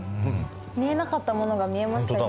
見えなかったものが見えました今。